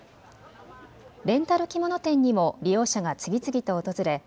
レンタル着物店にも利用者が次々と訪れ